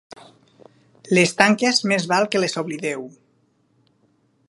Les tanques més val que les oblideu.